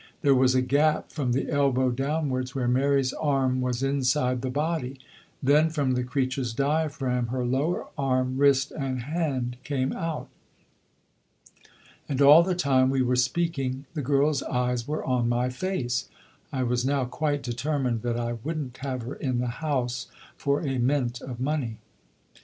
There was a gap from the elbow downwards where Mary's arm was inside the body; then from the creature's diaphragm her lower arm, wrist and hand came out. And all the time we were speaking the girl's eyes were on my face. I was now quite determined that I wouldn't have her in the house for a mint of money."